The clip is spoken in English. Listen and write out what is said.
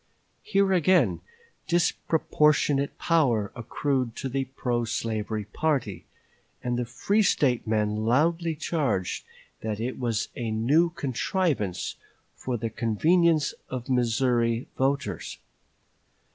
Here again disproportionate power accrued to the pro slavery party, and the free State men loudly charged that it was a new contrivance for the convenience of Missouri voters.